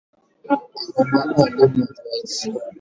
kuna umuhimu wa elimu ya viazi lishe kufikia jamii